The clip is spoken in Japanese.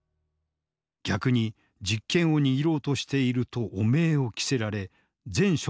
逆に実権を握ろうとしていると汚名を着せられ全職務を解任。